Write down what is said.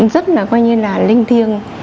rất là coi như là linh thiêng